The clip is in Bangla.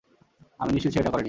আমি নিশ্চিত সে এটা করেনি।